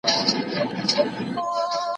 تاسو ولې غواړئ چي په کابل کي ژوند وکړئ؟